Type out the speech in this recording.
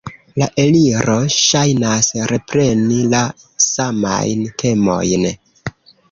La Eliro ŝajnas repreni la samajn temojn.